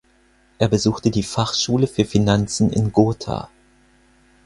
Er besuchte die Fachschule für Finanzen in Gotha.